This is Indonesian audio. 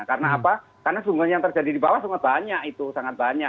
karena apa karena sungguhnya yang terjadi di bawah sungguh banyak itu sangat banyak